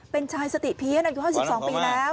เป็นชายสติเพี้ยนอายุห้อย๑๒ปี